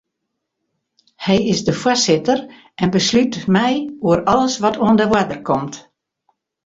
Hy is de foarsitter en beslút mei oer alles wat oan de oarder komt.